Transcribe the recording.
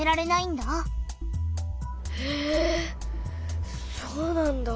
えそうなんだ。